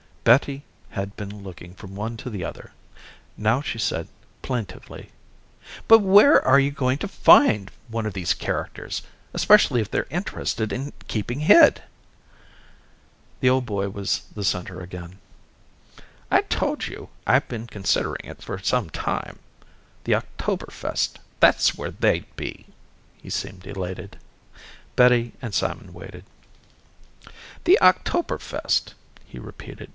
Betty had been looking from one to the other. Now she said, plaintively, "But where are you going to find one of these characters especially if they're interested in keeping hid?" The old boy was the center again. "I told you I'd been considering it for some time. The Oktoberfest, that's where they'd be!" He seemed elated. Betty and Simon waited. "The Oktoberfest," he repeated.